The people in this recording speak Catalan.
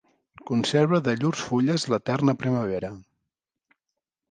Conserva de llurs fulles l'eterna primavera.